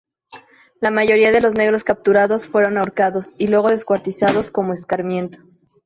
La mayoría de los negros capturados fueron ahorcados y luego descuartizados como escarmiento.